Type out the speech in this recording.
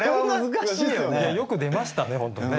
よく出ましたね本当ね。